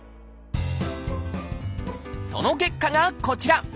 その結果がこちら。